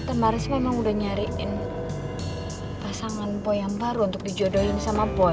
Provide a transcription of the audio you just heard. kan maris memang udah nyariin pasangan boy yang baru untuk dijodohin sama boy